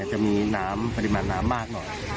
จะมีน้ำปริมาณน้ำมากหน่อย